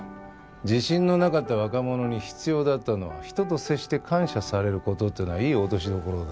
自信のなかった若者に必要だったのは人と接して感謝される事っていうのはいい落としどころだ。